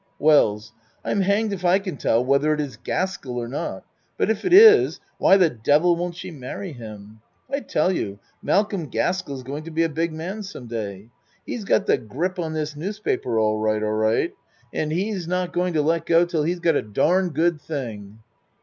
WELLS I'm hanged if I can tell whether it is Gaskel or not but if it is why the devil won't she marry him? I tell you Malcolm Gaskell's go ing to be a big man some day. He's got the grip on this newspaper all right, all right, and he's not 1 4 A MAN'S WORLD going to let go till he's got a darned good thing.